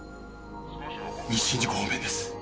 西新宿方面です。